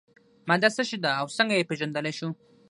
ماده څه شی ده او څنګه یې پیژندلی شو.